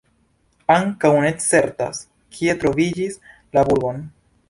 Ankaŭ ne certas, kie troviĝis la burgon.